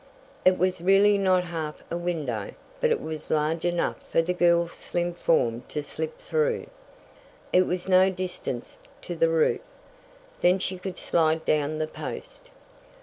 It was really not half a window, but it was large enough for the girl's slim form to slip through. It was no distance to the roof, then she could slide down the post.